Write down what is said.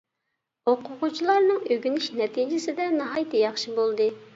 ئوقۇغۇچىلارنىڭ ئۆگىنىش نەتىجىسىدە ناھايىتى ياخشى بولدى.